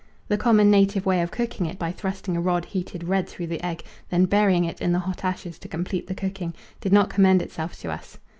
The common native way of cooking it by thrusting a rod heated red through the egg, then burying it in the hot ashes to complete the cooking, did not commend itself to us.